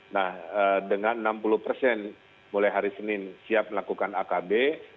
nah dengan enam puluh persen mulai hari senin siap melakukan akb